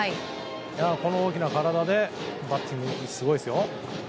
この大きな体でバッティングすごいですよ。